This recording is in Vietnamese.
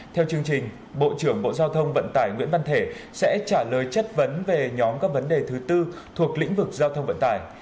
theo chương trình bộ trưởng bộ giao thông vận tải nguyễn văn thể sẽ trả lời chất vấn về nhóm các vấn đề thứ tư thuộc lĩnh vực giao thông vận tải